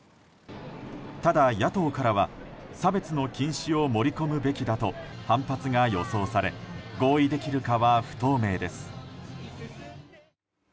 ただ、野党からは差別の禁止を盛り込むべきだと反発が予想され合意できるかは不透明です。